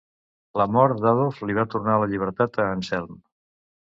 La mort d'Adolf li va tornar la llibertat a Anselm.